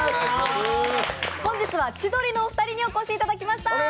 本日は千鳥のお二人にお越しいただきました。